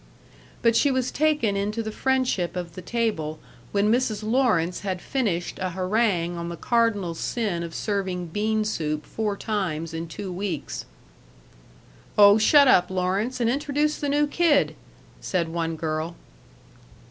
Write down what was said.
But she was taken into the friendship of the table when Mrs. Lawrence had finished a harangue on the cardinal sin of serving bean soup four times in two weeks. "Oh, shut up, Lawrence, and introduce the new kid!" said one girl.